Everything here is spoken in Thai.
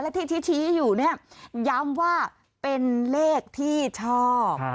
และที่ชี้อยู่เนี่ยย้ำว่าเป็นเลขที่ชอบ